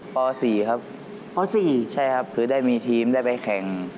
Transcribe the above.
ป๔ครับป๔ใช่ครับคือได้มีทีมได้ไปแข่ง